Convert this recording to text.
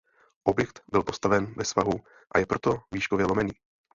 Objekt byl postaven ve svahu a je proto výškově lomený.